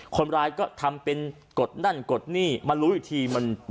คนร้ายก็ทำเป็นกดนั่นกดนี่มารู้อีกที